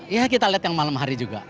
ya kita lihat yang malam hari juga